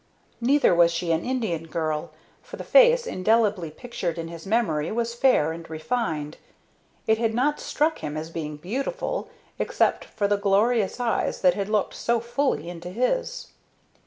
Neither was she an Indian girl, for the face, indelibly pictured in his memory, was fair and refined. It had not struck him as being beautiful, except for the glorious eyes that had looked so fully into his.